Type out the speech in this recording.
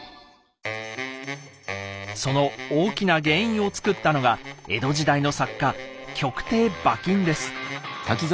その大きな原因を作ったのが江戸時代の作家曲亭馬琴です。